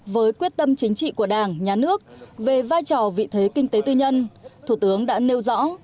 với quyết tâm chính trị của đảng nhà nước về vai trò vị thế kinh tế tư nhân thủ tướng đã nêu rõ